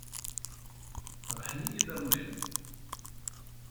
Qerrḥen-iyi iḍarren-iw.